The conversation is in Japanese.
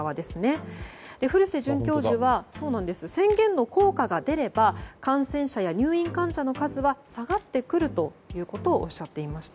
古瀬准教授は宣言の効果が出れば感染者や入院患者の数は下がってくるということをおっしゃっていました。